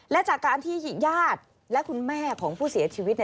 และจากการที่ญาติและคุณแม่ของผู้เสียชีวิต